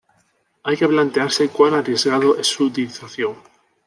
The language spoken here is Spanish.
hay que plantearse cuán arriesgado es su utilización